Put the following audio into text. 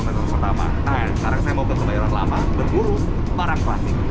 nah sekarang saya mau ke tempat yang lama berburu barang plastik